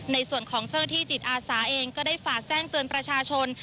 ในส่วนของเจ้าหน้าที่จิตอาสาเองก็ได้ฝากแจ้งเตือนประชาชน